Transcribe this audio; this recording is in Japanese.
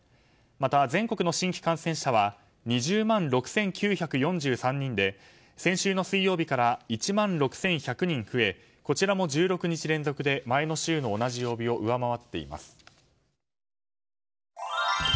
また、全国の新規感染者は２０万６９４３人で先週の水曜日から１万６１００人増えこちらも１６日連続で前の週の同じ曜日を上回っています。